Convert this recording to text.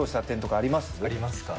ありますか？